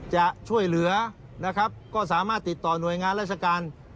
จะช่วยเหลือนะครับก็สามารถติดต่อหน่วยงานราชการ